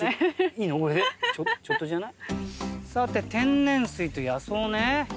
さて天然水と野草ね。